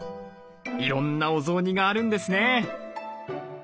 いろんなお雑煮があるんですね。